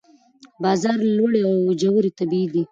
د بازار لوړې او ژورې طبیعي دي.